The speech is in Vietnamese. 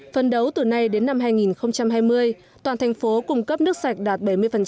phân đấu từ nay đến năm hai nghìn hai mươi toàn thành phố cung cấp nước sạch đạt bảy mươi